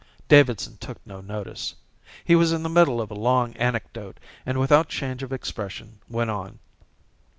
Davidson took no notice. He was in the middle of a long anecdote and without change of expression went on.